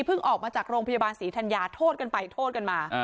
ออกมาจากโรงพยาบาลศรีธัญญาโทษกันไปโทษกันมา